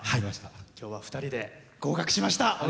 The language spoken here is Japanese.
今日は２人で合格しました。